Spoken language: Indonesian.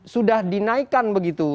sudah dinaikkan begitu